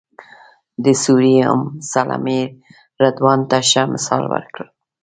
د سوریې ام سلمې رضوان ته ښه مثال ورکړ.